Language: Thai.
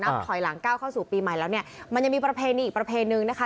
ถอยหลังก้าวเข้าสู่ปีใหม่แล้วเนี่ยมันยังมีประเพณีอีกประเพณีนะคะ